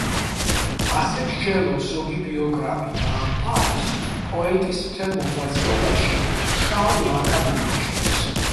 ასე მსჯელობს ზოგი ბიოგრაფი და ამ ფაქტს პოეტის მთელ მოღვაწეობაში შავ ლაქად მიიჩნევს.